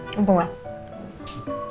emang dulu gak